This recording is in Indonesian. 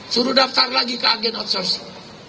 suruh daftar lagi ke agen outsourcing